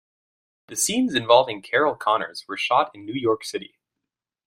The scenes involving Carol Connors were shot in New York City.